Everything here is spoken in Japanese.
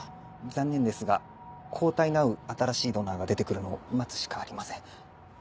残念ですが抗体の合う新しいドナーが出て来るのを待つしかありません